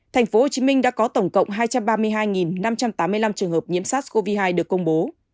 tp hcm đã có tổng cộng hai trăm ba mươi hai năm trăm tám mươi năm trường hợp nhiễm sars cov hai được công bố